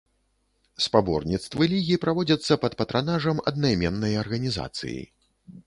Спаборніцтвы лігі праводзяцца пад патранажам аднайменнай арганізацыі.